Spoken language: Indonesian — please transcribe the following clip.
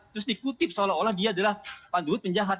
terus dikutip seolah olah dia adalah pak luhut penjahat